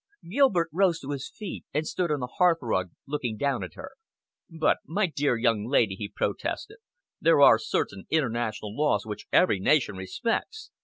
Gilbert rose to his feet, and stood on the hearth rug looking down at her. "But, my dear young lady," he protested, "there are certain international laws which every nation respects.